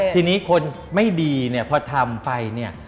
ทีนี้คนไม่ดีเนี่ยพอทำไปเนี่ย